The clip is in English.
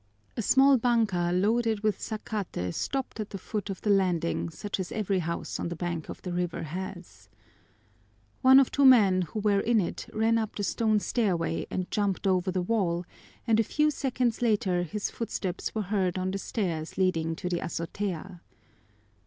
A small banka loaded with zacate stopped at the foot of the landing such as every house on the bank of the river has. One of two men who were in it ran up the stone stairway and jumped over the wall, and a few seconds later his footsteps were heard on the stairs leading to the azotea.